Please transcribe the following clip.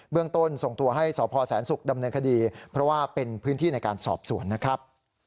เรื่องต้นส่งตัวให้สพแสนศุกร์ดำเนินคดีเพราะว่าเป็นพื้นที่ในการสอบสวนนะครับ